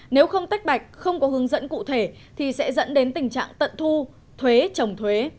nếu không tách bạch không có hướng dẫn cụ thể thì sẽ dẫn đến tình trạng tận thu thuế trồng thuế